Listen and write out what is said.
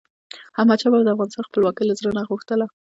احمدشاه بابا به د افغانستان خپلواکي له زړه غوښتله.